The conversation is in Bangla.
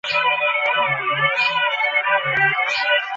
দুর্গাকে তাহার মা বলিত, একটা পান সেজে দে তো দুগগা।